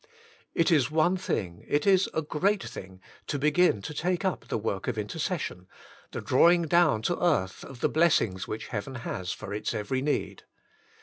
It is one thing, it is a great The Power of Intercession 165 thing, to begin to take up the work of interces sion — the drawing down to earth of the blessings which heaven has for its every need.